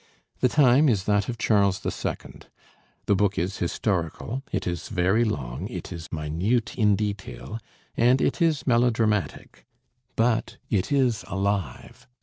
The time is that of Charles II. The book is historical, it is very long, it is minute in detail, and it is melodramatic: but it is alive.